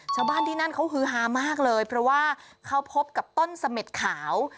ชาวบ้านที่นั่นเขาฮือฮามากเลยเพราะว่าเขาพบกับต้นเสม็ดขาว